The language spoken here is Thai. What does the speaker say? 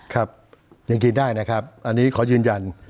ครับยังกินได้นะครับอันนี้ขอยืนยัน